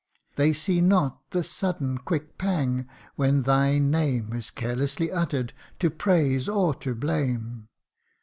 They see not the sudden quick pang, when thy name Is carelessly utter'd, to praise or to blame